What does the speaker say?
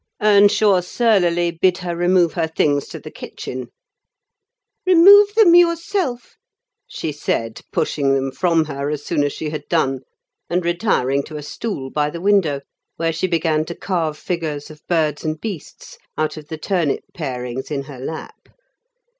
Earnshaw surlily bid her remove her things to the kitchen. "Remove them yourself," she said, pushing them from her as soon as she had done; and retiring to a stool by the window, where she began to carve figures of birds and beasts out of the turnip parings in her lap.